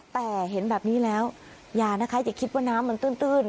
แต่เห็นแบบนี้แล้วยานะคะจะคิดว่าน้ำมันตื้นตื้น